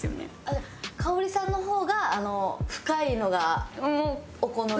じゃあ薫さんの方が深いのがお好みで？